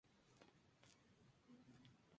La reacción boliviana no se hizo esperar.